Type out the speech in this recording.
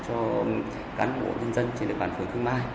cho cán bộ nhân dân trên địa bàn phường thư mai